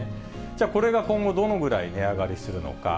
じゃあ、これが今後どれぐらい値上がりするのか。